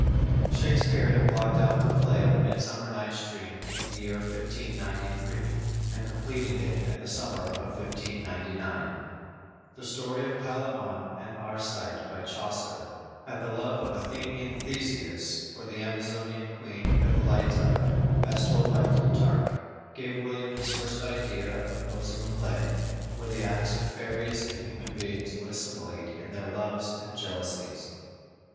"_ Shakspere had blocked out the play of "Midsummer Night's Dream" in the year 1593, and completed it in the summer of 1599. The story of Palamon and Arcite by Chaucer, and the love of Athenian Theseus for the Amazonian Queen Hippolyta, as told by Plutarch, gave William his first idea of composing a play where the acts of fairies and human beings would assimilate in their loves and jealousies.